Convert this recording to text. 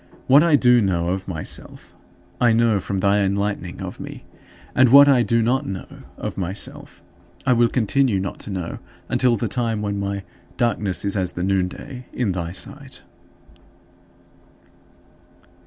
What I do know of myself, I know from thy enlightening of me; and what I do not know of myself, I will continue not to know until the time when my "darkness is as the noonday" in thy sight.